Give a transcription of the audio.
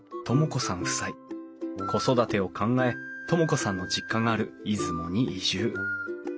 子育てを考え知子さんの実家がある出雲に移住。